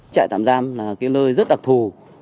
trại tạm giam là cái nơi rất đặc thù